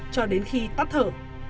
cho đến khi tắt thở